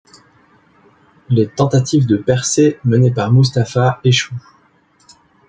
Les tentatives de percée menées par Mustapha échouent.